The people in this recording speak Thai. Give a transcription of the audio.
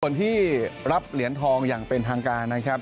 ส่วนที่รับเหรียญทองอย่างเป็นทางการนะครับ